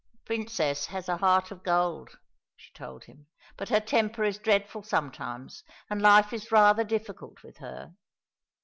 "The Princess has a heart of gold," she told him, "but her temper is dreadful sometimes, and life is rather difficult with her."